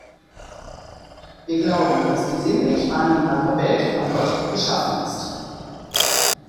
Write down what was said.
Wir glauben, dass die sinnlich wahrnehmbare Welt von Gott geschaffen ist.